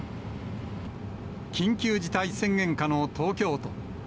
緊急事態宣言下の東京都。